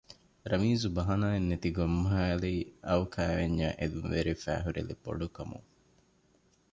ރަމީޒު ބަހަނާއެއް ނެތި ގޮށް މޮހައިލީ އައު ކައިވެންޏަށް އެދުންވެރިވެފައި ހުރިލެއް ބޮޑުކަމުން